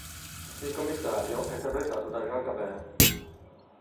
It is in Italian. Il commissario è interpretato da Jean Gabin.